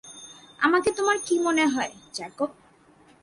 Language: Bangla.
আমাকে তোমার কী মনে হয় জ্যাকব?